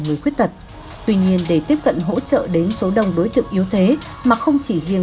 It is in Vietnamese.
người khuyết tật tuy nhiên để tiếp cận hỗ trợ đến số đông đối tượng yếu thế mà không chỉ riêng